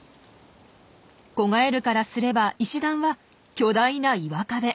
子ガエルからすれば石段は巨大な岩壁。